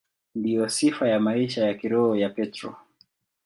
Ndiyo sifa ya maisha ya kiroho ya Petro.